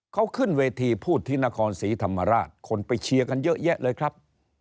เขาขึ้นเวทีพูดที่นครศรีธรรมราชคนไปเชียร์กันเยอะแยะเลยครับ